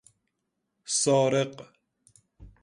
سارق